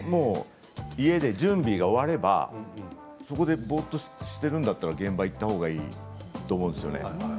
家で準備が終わればそこでぼーっとしているんだったら、現場に行ったほうがいいと思うんですよね。